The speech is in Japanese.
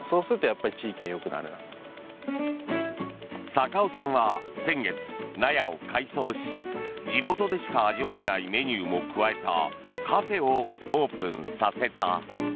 坂尾さんは先月、納屋を改装し地元でしか味わえないメニューも加えたカフェをオープンさせた。